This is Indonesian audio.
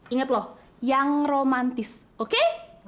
ingat loh yang romantis oke